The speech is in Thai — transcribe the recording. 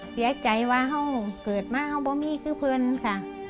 เสียใจว่าเขาเกิดมาเขาบ่มีคือเพื่อนค่ะ